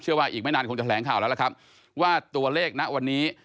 ว่าอีกไม่นานคงจะแถลงข่าวแล้วล่ะครับว่าตัวเลขณวันนี้